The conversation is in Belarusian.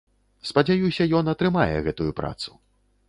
Спадзяюся, ён атрымае гэтую працу.